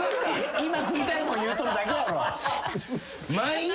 今食いたいもん言うとるだけやろ。